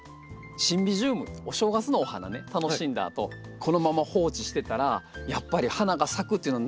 シンビジウムお正月のお花ね楽しんだあとこのまま放置してたらやっぱり花が咲くっていうのなかなか少ないんです。